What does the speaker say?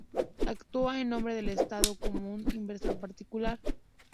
Actúa en nombre del Estado como un inversor particular.